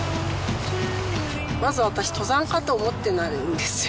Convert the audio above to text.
まず私登山家と思ってないんですよ